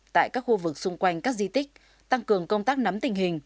tại các khu vực xung quanh các di tích tăng cường công tác nắm tình hình